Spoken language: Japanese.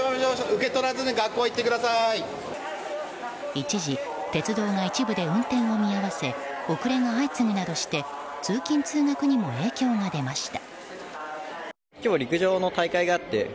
一時、鉄道が一部で運転を見合わせ遅れが相次ぐなどして通勤・通学にも影響が出ました。